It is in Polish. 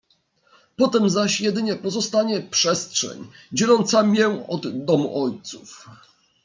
"Potem zaś jedynie pozostanie przestrzeń, dzieląca mię od domu ojców."